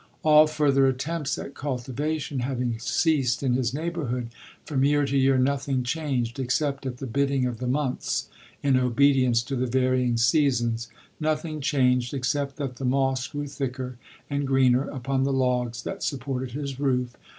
All further attempts at cultivation having ceased in his neighbourhood, from year to year nothing changed, except at the bidding of the months, in obedience to the varying seasons ;— nothing changed, except that the moss grew thicker and greener upon the logs that supported his roof, LODORI..